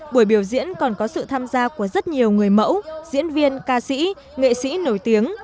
buổi biểu diễn còn có sự tham gia của rất nhiều người mẫu diễn viên ca sĩ nghệ sĩ nổi tiếng